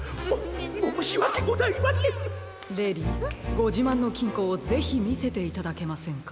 ごじまんのきんこをぜひみせていただけませんか？